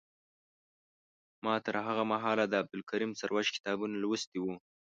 ما تر هغه مهاله د عبدالکریم سروش کتابونه لوستي وو.